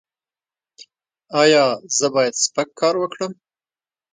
ایا زه باید سپک کار وکړم؟